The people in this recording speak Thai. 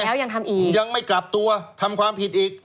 แล้วยังทำอีกยังไม่กลับตัวทำความผิดอีก